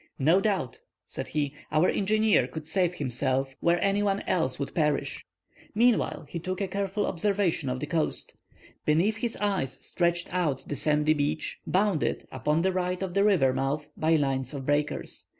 "No doubt," said he, "our engineer could save himself where any one else would perish." Meanwhile he took a careful observation of the coast. Beneath his eyes stretched out the sandy beach, bounded, upon the right of the river mouth, by lines of breakers.